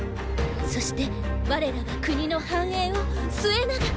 そして我らが国の繁栄を末長く。